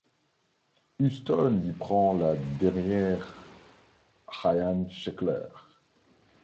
Huston y prend la derrière Ryan Sheckler.